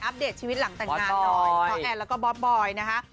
อัปเดตชีวิตหลังแต่งงานบ๊อบบอยซ่อแอนแล้วก็บ๊อบบอยนะฮะ